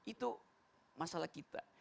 itu masalah kita